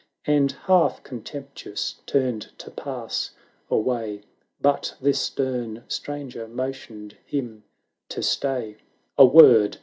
And half contemptuous turned to pass away ; But the stern stranger motioned him to stay. "A word